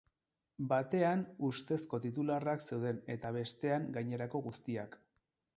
Batean, ustezko titularrak zeuden eta bestean gainerako guztiak.